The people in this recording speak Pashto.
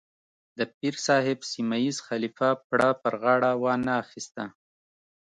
د پیر صاحب سیمه ییز خلیفه پړه پر غاړه وانه اخیسته.